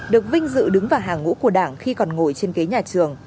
được vinh dự đứng vào hàng ngũ của đảng khi còn ngồi trên ghế nhà trường